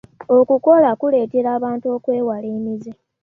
okukola kuleetera abantu okwewala emizze.